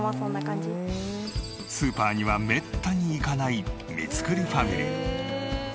スーパーにはめったに行かない三栗ファミリー。